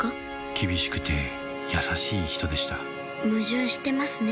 厳しくて優しい人でした矛盾してますね